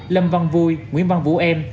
lâm văn vui nguyễn văn vũ em